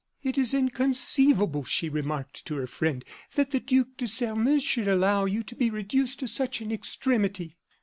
"It is inconceivable," she remarked to her friend, "that the Duc de Sairmeuse should allow you to be reduced to such an extremity."